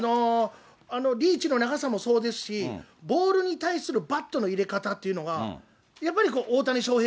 あのリーチの長さもそうですし、ボールに対するバットの入れ方というのが、やっぱり大谷翔平